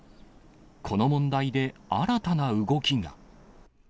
この問題で新たな動きが。